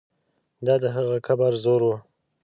دا د هغه قبر زور وو.